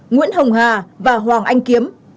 nguyễn hồng hà và hoàng anh kiếm